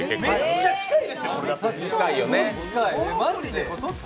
めっちゃ近いですよ。